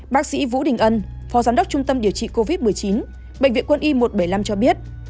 bác sĩ vũ đình ân phó giám đốc trung tâm điều trị covid một mươi chín bệnh viện quân y một trăm bảy mươi năm cho biết